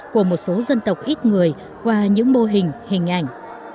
của một số dân tộc ít người qua những mô hình hình ảnh